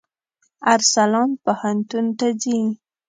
ارسلان پوهنتون ته ځي.